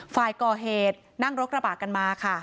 ฝ่ายก่อเหตุนั่งรถกระบะกันมาค่ะ